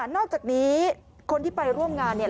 นอกจากนี้คนที่ไปร่วมงานเนี่ย